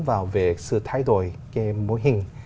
về sự thay đổi mô hình